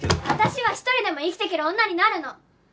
私は一人でも生きていける女になるの！